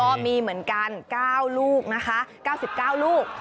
ก็มีเหมือนกัน๙ลูกนะคะ๙๙ลูก